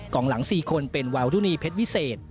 งหลัง๔คนเป็นวาวรุณีเพชรวิเศษ